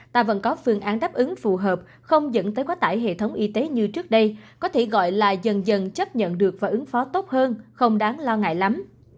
ta vẫn có phương án đáp ứng phù hợp không dẫn tới quá tải hệ thống y tế như trước đây có thể gọi là dần dần chấp nhận được và ứng phó tốt hơn không đáng lo ngại lắm